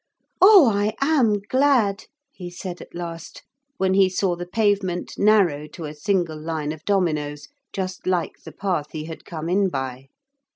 'Oh, I am glad!' he said at last, when he saw the pavement narrow to a single line of dominoes just like the path he had come in by.